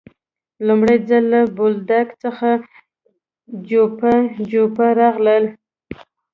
لومړی ځل له بولدک څخه جوپه جوپه راغلل.